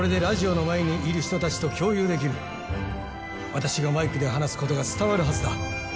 私がマイクで話すことが伝わるはずだ。